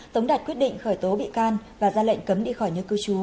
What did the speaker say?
tống đặt quyết định khởi tố bị can và ra lệnh cấm đi khỏi nhớ cư chú